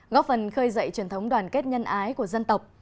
góp phần khơi dậy truyền thống đoàn kết nhân ái của dân tộc